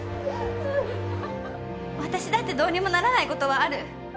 私だってどうにもならないことはある。